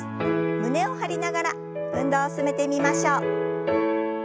胸を張りながら運動を進めてみましょう。